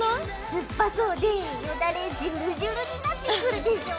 酸っぱそうでよだれジュルジュルになってくるでしょ？